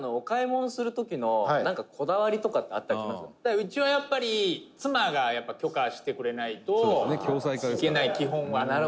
「うちは、やっぱり、妻がやっぱ、許可してくれないといけない、基本は。